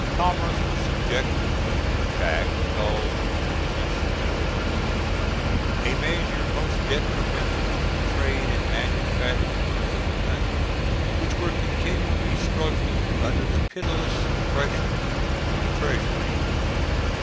Commerce was subjected to a new tax called imposition foraine, a measure most detrimental to the trade and manufactures of the country, which were continually struggling under the pitiless oppression of the treasury.